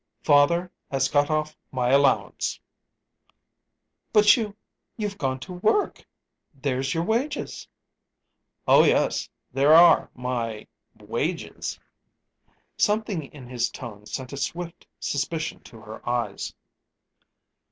"Father has cut off my allowance." "But you you've gone to work. There's your wages!" "Oh, yes, there are my wages." Something in his tone sent a swift suspicion to her eyes.